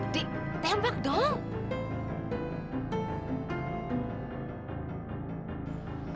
dik tembak dong